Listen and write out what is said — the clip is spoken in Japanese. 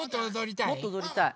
もっとおどりたい。